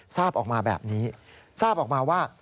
ทราบออกมาแบบนี้ทราบออกมาว่า